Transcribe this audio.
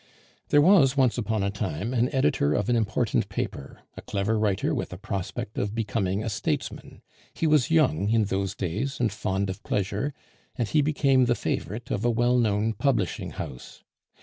There was once upon a time an editor of an important paper, a clever writer with a prospect of becoming a statesman; he was young in those days, and fond of pleasure, and he became the favorite of a well known publishing house.